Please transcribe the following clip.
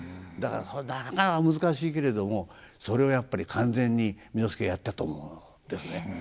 だからそれなかなか難しいけれどもそれをやっぱり完全に簑助はやったと思うんですね。